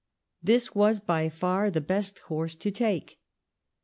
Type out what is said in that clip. This was by far the best course to take.